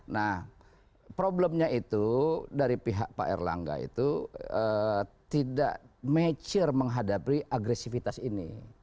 nah problemnya itu dari pihak pak erlangga itu tidak mature menghadapi agresivitas ini